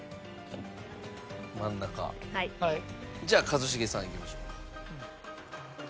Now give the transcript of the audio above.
じゃあ一茂さんいきましょうか。